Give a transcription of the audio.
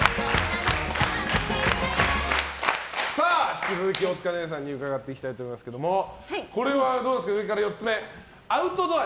引き続き大塚寧々さんに伺っていきたいと思いますがこれはどうですか、上から４つ目アウトドア